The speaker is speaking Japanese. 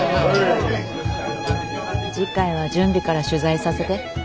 次回は準備から取材させて。